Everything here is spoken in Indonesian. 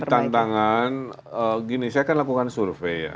jadi tantangan gini saya kan lakukan survei ya